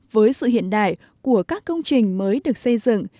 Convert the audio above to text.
với sự hiện đại của các công trình mới được xây dựng